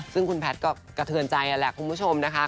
ซึ่งคุณแพทย์ก็กระเทือนใจนั่นแหละคุณผู้ชมนะคะ